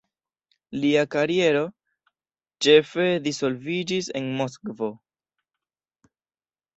Lia kariero ĉefe disvolviĝis en Moskvo.